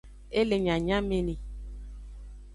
E le nyanyameni.